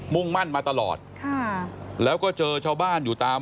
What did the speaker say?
่งมั่นมาตลอดค่ะแล้วก็เจอชาวบ้านอยู่ตาม